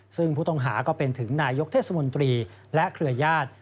ซึ่งผู้ต้องหาก็เป็นถึงนายกเทศมนตรีและเครือญาติ